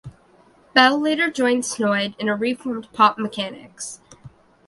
Bell later joined Snoid in a reformed Pop Mechanix.